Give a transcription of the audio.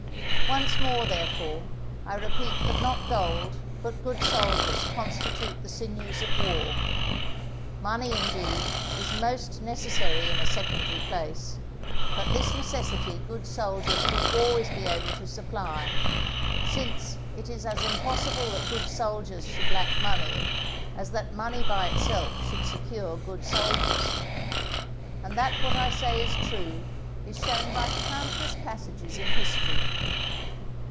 Once more, therefore, I repeat that not gold but good soldiers constitute the sinews of war. Money, indeed, is most necessary in a secondary place; but this necessity good soldiers will always be able to supply, since it is as impossible that good soldiers should lack money, as that money by itself should secure good soldiers. And that what I say is true is shown by countless passages in history.